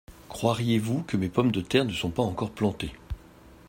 Croiriez-vous que mes pommes de terre ne sont pas encore plantées ?…